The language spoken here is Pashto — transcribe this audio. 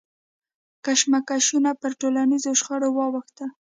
کشمکشونه پر ټولنیزو شخړو واوښتل.